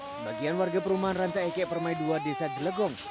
sebagian warga perumahan ranca eke permai dua desa jelegong